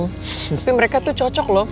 tapi mereka tuh cocok loh